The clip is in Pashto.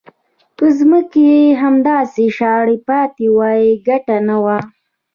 که ځمکې همداسې شاړې پاتې وای ګټه نه وه.